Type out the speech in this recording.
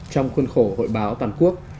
trong khuôn khổ hội báo toàn quốc